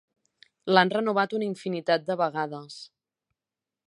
L'han renovat una infinitat de vegades.